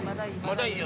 まだいい！